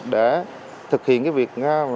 để thực hiện việc